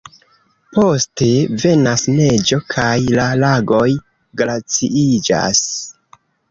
Poste venas neĝo kaj la lagoj glaciiĝas.